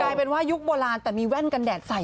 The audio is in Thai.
กลายเป็นว่ายุคโบราณแต่มีแว่นกันแดดใส่